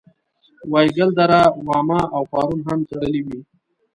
وایګل دره واما او پارون هم تړلې وې.